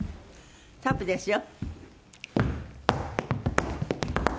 タップですよ。